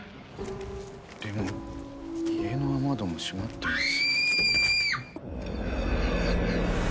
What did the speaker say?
でも家の窓も閉まってますし。